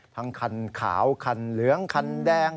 คันขาวคันเหลืองคันแดง